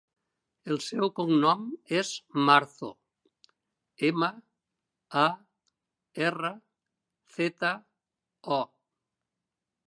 El seu cognom és Marzo: ema, a, erra, zeta, o.